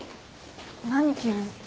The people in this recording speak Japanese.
何急に。